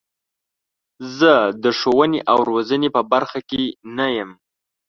زه د ښوونې او روزنې په برخه کې نه یم.